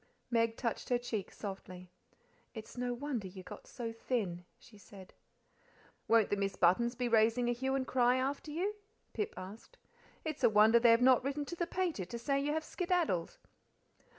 Meg touched her cheek softly. "It's no wonder you got so thin," she said. "Won't the Miss Buttons be raising a hue and cry after you?" Pip asked. "It's a wonder they've not written to the pater to say you have skedaddled."